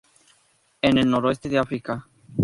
En el noroeste de África.